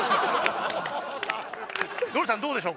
ノリさんどうでしょう。